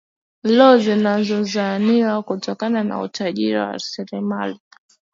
lo linazozaniwa kutokana na utajiri wa raslimali